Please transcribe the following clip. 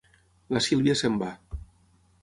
La Sílvia se'n va.